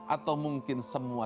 atau mungkin semua